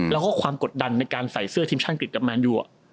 แล้วก็ความกดดันในการใส่เสื้อทีมชาติอังกฤษกับแมนยู